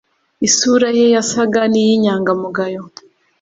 Isura ye yasaga n'iy'inyangamugayo